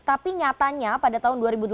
tapi nyatanya pada tahun dua ribu delapan belas